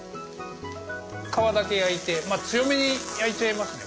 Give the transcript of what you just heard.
皮だけ焼いて強めに焼いちゃいますね。